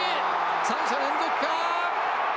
３者連続か。